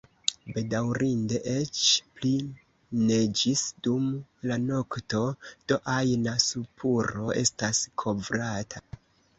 Bedaŭrinde, eĉ pli neĝis dum la nokto, do ajna spuro estas kovrata.